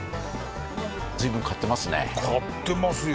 随分買ってますね」